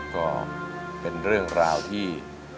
ก็เป็นเรื่องราวที่